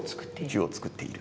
宇宙を作っている。